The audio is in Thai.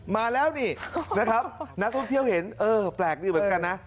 มาแล้วนี่นะครับนักท่องเที่ยวเห็นเออแปลกดีเหมือนกันนะ